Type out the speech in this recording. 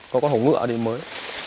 có con hổ ngựa ở đây mới